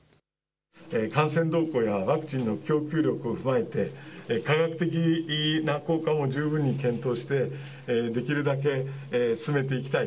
感染動向やワクチンの供給力を踏まえて科学的な効果を十分に検討してできるだけ進めていきたい。